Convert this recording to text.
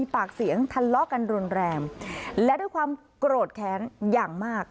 ปากเสียงทะเลาะกันรุนแรงและด้วยความโกรธแค้นอย่างมาก